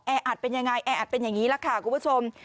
อัดเป็นยังไงแออัดเป็นอย่างนี้แหละค่ะคุณผู้ชม